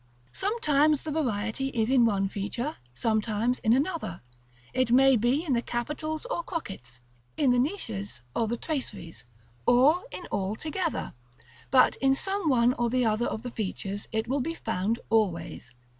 Sometimes the variety is in one feature, sometimes in another; it may be in the capitals or crockets, in the niches or the traceries, or in all together, but in some one or other of the features it will be found always.